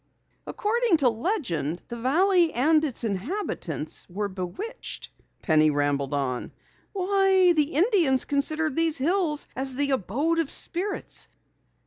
"According to legend, the valley and its inhabitants were bewitched," Penny rambled on. "Why, the Indians considered these hills as the abode of Spirits.